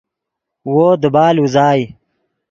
وو دیبال اوزائے